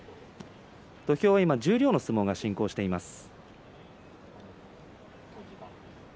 土俵は十両の相撲が進行しています。